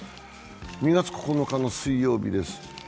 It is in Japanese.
２月９日の水曜日です。